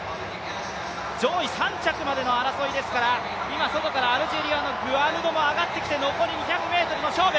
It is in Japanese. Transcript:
上位３着までの争いですから今、アルジェリアのグアヌド選手も上がってきまして残り２００ｍの勝負。